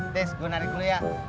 tes gue narik dulu ya